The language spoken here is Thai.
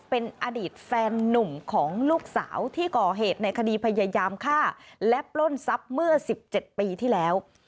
เป็นอดีตแฟนนุ่มของลูกสาวที่ก่อเหตุในคดีพยายามฆ่าและปล้นทรัพย์เมื่อ๑๗ปีที่แล้ว